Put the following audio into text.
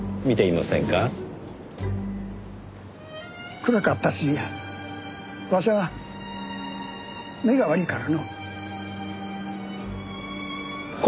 暗かったしわしは目が悪いからのう。